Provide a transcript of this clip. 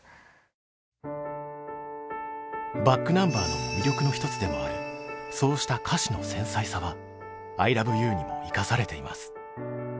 ｂａｃｋｎｕｍｂｅｒの魅力の一つでもあるそうした歌詞の繊細さは「アイラブユー」にも生かされています。